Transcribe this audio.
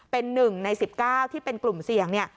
เป็น๑ใน๑๙ที่เป็นกลุ่มเสี่ยงเนี่ย